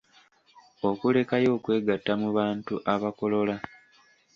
Okulekayo okwegatta mu bantu abakolola.